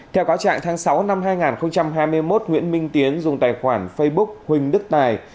theo cáo trạng tháng sáu năm hai nghìn hai mươi một nguyễn minh tiến dùng tài khoản facebook huỳnh đức tài